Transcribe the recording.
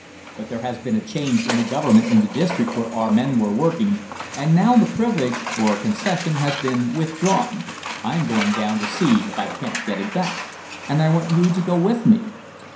But there has been a change in the government in the district where our men were working, and now the privilege, or concession, has been withdrawn. I'm going down to see if I can't get it back. And I want you to go with me."